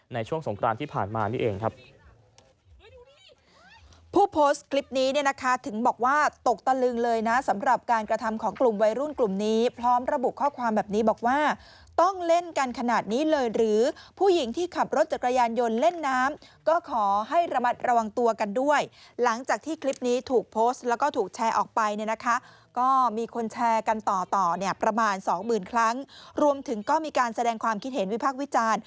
ในช่วงสงครานที่ผ่านมานี่เองครับ